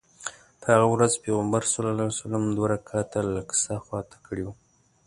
په هغه ورځ پیغمبر صلی الله علیه وسلم دوه رکعته الاقصی خواته کړی و.